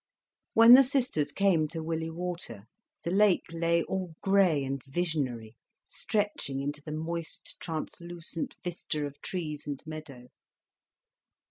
When the sisters came to Willey Water, the lake lay all grey and visionary, stretching into the moist, translucent vista of trees and meadow.